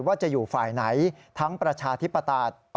ว่าจะอยู่ฝ่ายไหนทั้งประชาธิปไตย